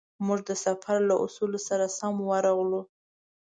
موږ د سفر له اصولو سره سم ورغلو.